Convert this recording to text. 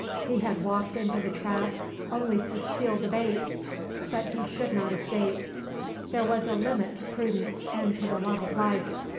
He had walked into the trap only to steal the bait; but he should not escape. There was a limit to prudence and to the love of life.